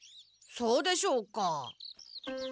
そうでしょうか？